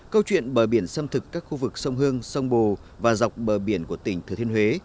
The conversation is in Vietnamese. câu chuyện bờ biển xâm thực các khu vực sông hương sông bồ và dọc bờ biển của tỉnh thừa thiên huế